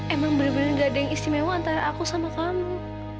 emang bener bener gak ada yang istimewa antara aku sama kamu